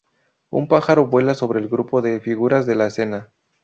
Un pájaro vuela sobre el grupo de figuras de la escena.